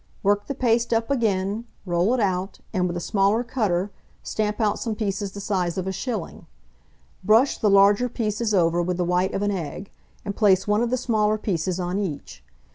Work the paste up again, roll it out, and, with a smaller cutter, stamp out some pieces the size of a shilling. Brush the larger pieces over with the white of an egg, and place one of the smaller pieces on each.